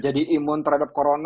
jadi imun terhadap corona